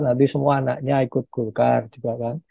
nanti semua anaknya ikut gurkart juga